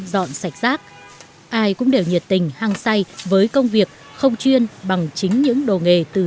dọn sạch rác ai cũng đều nhiệt tình hăng say với công việc không chuyên bằng chính những đồ nghề từ